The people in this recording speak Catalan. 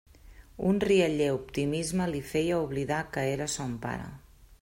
Un rialler optimisme li feia oblidar que era son pare.